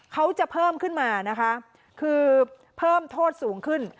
เขาจะเพิ่มขึ้นมานะคะคือเพิ่มโทษสูงขึ้น